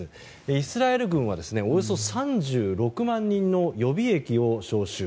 イスラエル軍はおよそ３６万人の予備役を招集。